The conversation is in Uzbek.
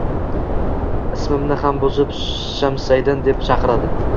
Ismimni ham buzib “Shamsaydin” deb chaqiradi.